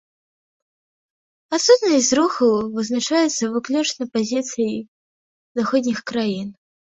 Адсутнасць зрухаў вызначаецца выключна пазіцыяй заходніх краін.